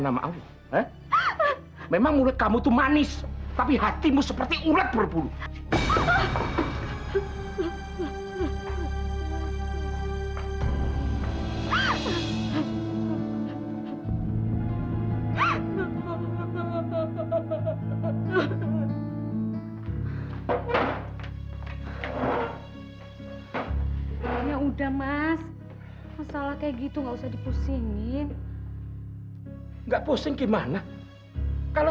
sampai jumpa di video selanjutnya